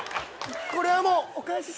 これはもうお返しします。